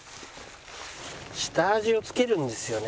下味を付けるんですよね。